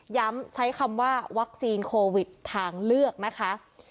ใช้คำว่าวัคซีนโควิดทางเลือกนะคะ